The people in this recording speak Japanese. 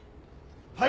はい。